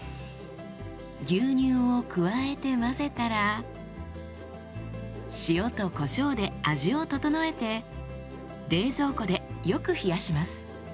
牛乳を加えて混ぜたら塩とこしょうで味を調えて冷蔵庫でよく冷やします。